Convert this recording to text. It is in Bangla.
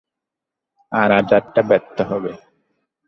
আর আচারটা ব্যর্থ হবে।